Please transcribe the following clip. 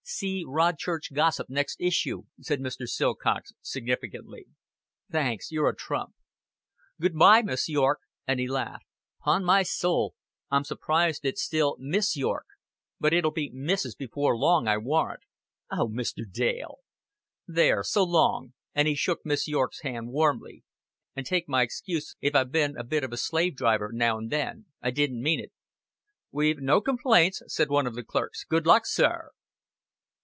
"See Rodchurch Gossip next issue," said Mr. Silcox significantly. "Thanks. You're a trump." "Good by, Miss Yorke." And he laughed. "'Pon my soul, I'm surprised it's still Miss Yorke; but it'll be Mrs. before long, I warrant." "Oh, Mr. Dale!" "There, so long," and he shook Miss Yorke's hand warmly. "And take my excuse if I bin a bit of a slave driver now and then. I didn't mean it." "We've no complaints," said one of the clerks. "Good luck, sir!"